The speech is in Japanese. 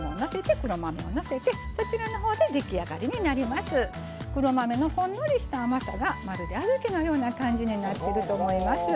黒豆のほんのりした甘さがまるで小豆のような感じになってると思います。